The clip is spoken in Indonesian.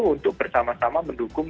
untuk bersama sama mendukung